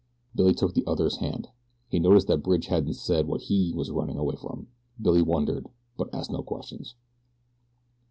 Billy took the other's hand. He noticed that Bridge hadn't said what HE was running away from. Billy wondered; but asked no questions.